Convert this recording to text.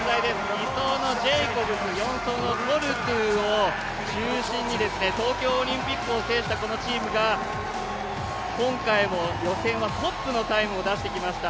２走のジェイコブス４走のトルトゥを中心に東京オリンピックを制したこのチームが今回も予選はトップのタイムを出してきました。